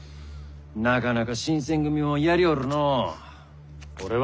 なかなか新選組もやりおるのう。